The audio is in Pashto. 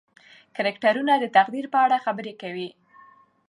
کرکټرونه د تقدیر په اړه خبرې کوي.